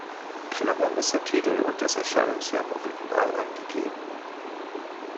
In Klammern ist der Titel und das Erscheinungsjahr im Original angegeben.